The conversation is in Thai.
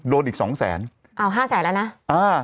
โดนอีก๒แสนอ้าว๕แสนแล้วนะ